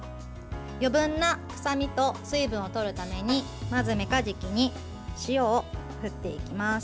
余分な臭みと水分を取るためにまず、めかじきに塩を振っていきます。